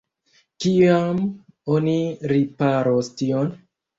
Kiam oni riparos tion?